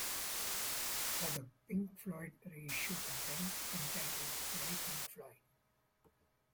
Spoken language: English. For the Pink Floyd reissue campaign entitled Why Pink Floyd...?